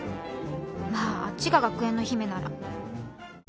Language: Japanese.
まぁあっちが学園の姫なら。